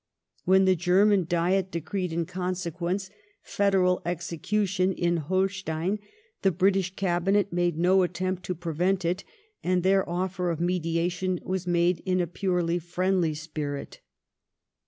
When the German Diet decreed in consequence " federal execution " in Holstein, the British Cabinet made no attempt to pre* yent it, and their offer of mediation was made in a purely friendly spirit.